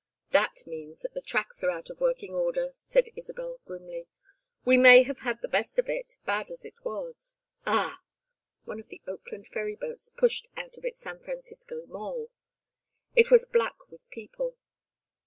"That means that the tracks are out of working order," said Isabel, grimly. "We may have had the best of it, bad as it was. Ah!" One of the Oakland ferry boats pushed out of its San Francisco mole. It was black with people.